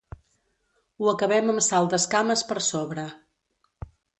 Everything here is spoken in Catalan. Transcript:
Ho acabem amb sal d’escames per sobre.